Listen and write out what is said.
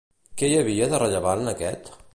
Què hi havia de rellevant en aquest?